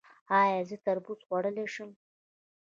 ایا زه تربوز خوړلی شم؟